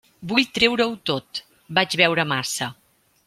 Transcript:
Vull treure-ho tot: vaig beure massa.